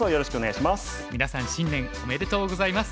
みなさん新年おめでとうございます。